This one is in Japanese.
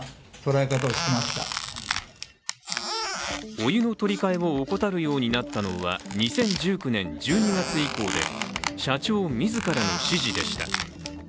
お湯の取り替えを怠るようになったのは２０１９年１２月以降で、社長自らの指示でした。